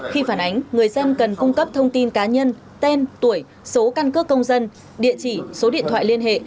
khi phản ánh người dân cần cung cấp thông tin cá nhân tên tuổi số căn cước công dân địa chỉ số điện thoại liên hệ